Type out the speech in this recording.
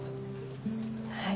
はい。